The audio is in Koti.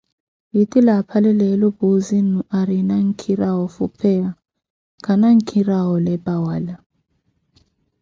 Titile aphale leelo Puuzi-nnu aarina nkhira woofupheya, khana nkhira woolepa wala.